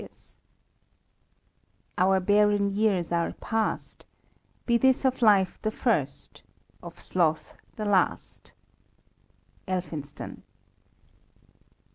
C( Our barren years are past ; Be this of life the first, of sloth the last.*' Elphinstok.